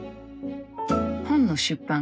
本の出版